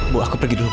bu aku pergi dulu bu